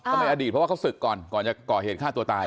ในอดีตเพราะว่าเขาศึกก่อนก่อนจะก่อเหตุฆ่าตัวตาย